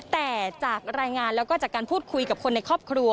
แต่จากรายงานแล้วก็จากการพูดคุยกับคนในครอบครัว